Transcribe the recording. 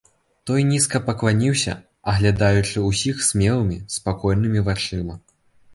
Той нізка пакланіўся, аглядаючы ўсіх смелымі, спакойнымі вачыма.